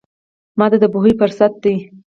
ماته د پوهې فرصت دی.